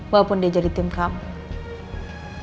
walaupun dia jadi tim kami